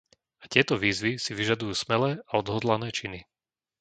A tieto výzvy si vyžadujú smelé a odhodlané činy.